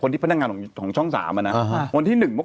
แต่ก่อนหน้านี้แก้ได้เลย